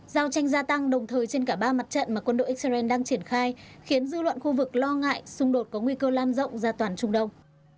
giao tranh gia tăng đồng thời trên cả ba mặt trận mà quân đội israel đang triển khai khiến dư luận khu vực lo ngại xung đột có nguy cơ lan rộng ra toàn trung đông